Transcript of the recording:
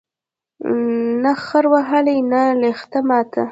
نه خر وهلی، نه لښته ماته